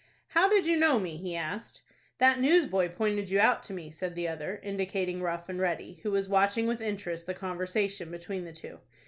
"How did you know me?" he asked. "That newsboy pointed you out to me," said the other, indicating Rough and Ready, who was watching with interest the conversation between the two.